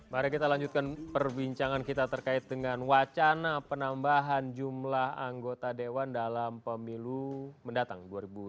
mari kita lanjutkan perbincangan kita terkait dengan wacana penambahan jumlah anggota dewan dalam pemilu mendatang dua ribu sembilan belas